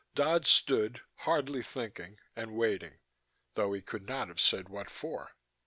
Dodd stood, hardly thinking, and waiting though he could not have said what for.